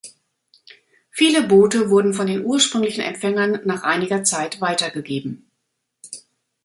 Viele Boote wurden von den ursprünglichen Empfängern nach einiger Zeit weitergegeben.